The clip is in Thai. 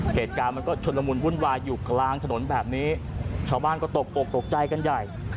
เหตุการณ์มันก็ชนละมุนวุ่นวายอยู่กลางถนนแบบนี้ชาวบ้านก็ตกอกตกใจกันใหญ่